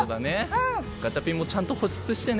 ガチャピンもちゃんと保湿してね。